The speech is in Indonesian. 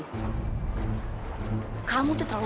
aku akan terus jaga kamu